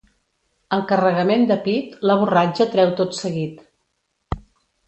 El carregament de pit, la borratja treu tot seguit.